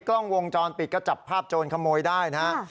กล้องวงจรปิดก็จับภาพโจรขโมยได้นะฮะ